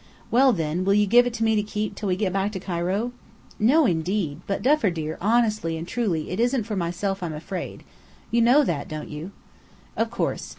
"Well, then, will you give it to me to keep till we get back to Cairo?" "No, indeed! But Duffer dear, honestly and truly it isn't for myself I'm afraid. You know that, don't you?" "Of course.